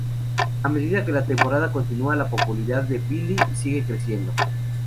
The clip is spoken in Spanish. A medida que la temporada continúa, la popularidad de Billy sigue creciendo.